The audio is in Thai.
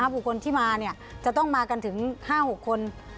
บุคคลที่มาจะต้องมากันถึง๕๖คน